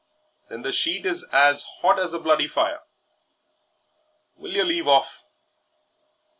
"Then the sheet is at 'ot as the bloody fire. Will yer leave off?"